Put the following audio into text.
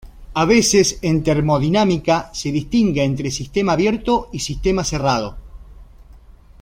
A veces en termodinámica se distingue entre sistema abierto y sistema cerrado.